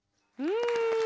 うん。